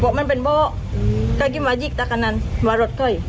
บอกมันเป็นบอกอืมก็กิมว่ายิกตะกะนั้นว่ารถค่อย